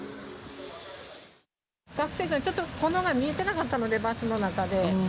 学生さん、ちょっと炎が見えてなかったので、バスの中で。